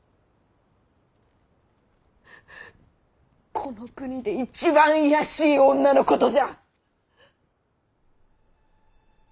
この国で一番卑しい女のことじゃ！